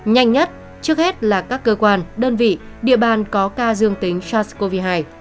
nhanh nhất trước hết là các cơ quan đơn vị địa bàn có ca dương tính sars cov hai